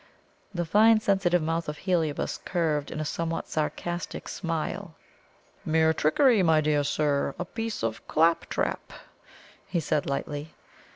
The fine sensitive mouth of Heliobas curved in a somewhat sarcastic smile. "Mere trickery, my dear sir a piece of clap trap," he said lightly.